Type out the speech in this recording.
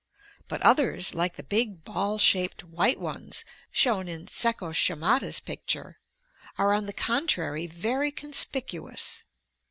But others, like the big ball shaped white ones shown in Sekko Shimada's picture, are, on the contrary, very conspicuous.